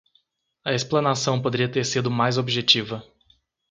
A explanação poderia ter sido mais objetiva